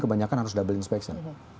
kebanyakan harus double inspection